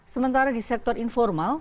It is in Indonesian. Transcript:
sementara di sektor informal